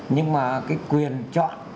nhưng mà quyền chọn